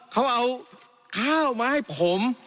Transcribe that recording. เขาเอาข้าวมาให้ผม